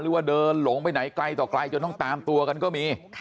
หรือว่าเดินหลงไปไหนไกลต่อไกลจนต้องตามตัวกันก็มี